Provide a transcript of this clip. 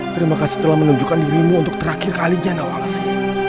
terima kasih telah menunjukkan dirimu untuk terakhir kalinya nawangsi